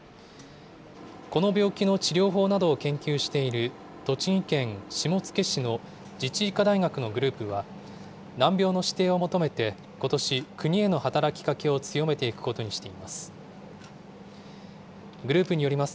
この病気の治療法などを研究している、栃木県下野市の自治医科大学のグループは、難病の指定を求めて、ことし、国への働きかけを強めていくことにしています。